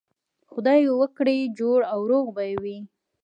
خدای وکړي جوړ او روغ به وئ.